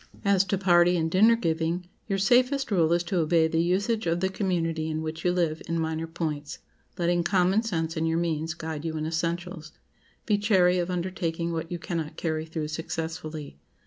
As to party and dinner giving, your safest rule is to obey the usage of the community in which you live in minor points, letting common sense and your means guide you in essentials. Be chary of undertaking what you cannot carry through successfully.